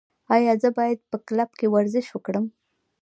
ایا زه باید په کلب کې ورزش وکړم؟